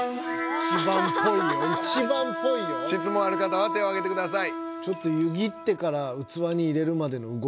しつもんある方は手をあげてください。